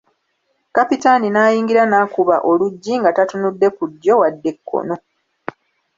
Kapitaani n'ayingira n'akuba oluggi nga tatunudde ku ddyo wadde kkono.